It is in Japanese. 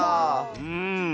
うん。